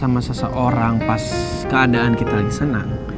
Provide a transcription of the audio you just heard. sama seseorang pas keadaan kita lagi senang